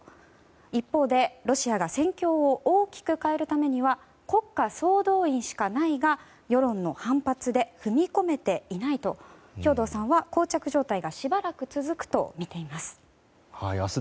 一方でロシアが戦況を大きく変えるためには国家総動員しかないが世論の反発で踏み込めていないと兵頭さんは膠着状態がしばらく続くとみています。